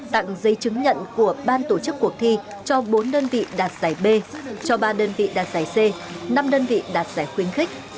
tặng giấy chứng nhận của ban tổ chức cuộc thi cho bốn đơn vị đạt giải b cho ba đơn vị đạt giải c năm đơn vị đạt giải khuyến khích